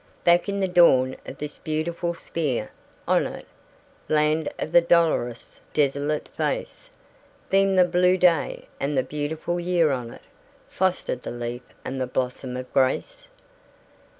Back in the dawn of this beautiful sphere, on it Land of the dolorous, desolate face Beamed the blue day; and the beautiful year on it Fostered the leaf and the blossom of grace.